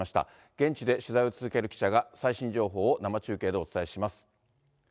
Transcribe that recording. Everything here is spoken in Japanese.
現地で取材を続ける記者が、最新情報を生中継でお伝えします。